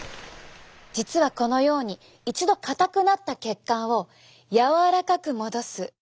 実はこのように一度硬くなった血管を柔らかく戻す。